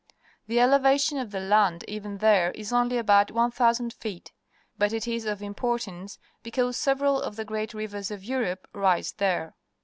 The elevation of the land even there is only about 1,000 feet, but it is of importance, because several of the great rivers of Europe rise there.